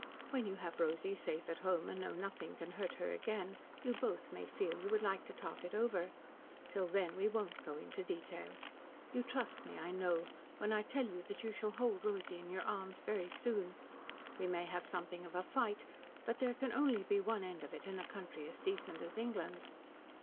When you have Rosy safe at home, and know nothing can hurt her again, you both may feel you would like to talk it over. Till then we won't go into detail. You trust me, I know, when I tell you that you shall hold Rosy in your arms very soon. We may have something of a fight, but there can only be one end to it in a country as decent as England.